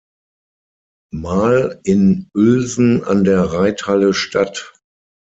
Mal in Uelsen an der Reithalle statt.